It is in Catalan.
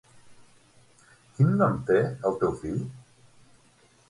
Quin nom té el teu fill?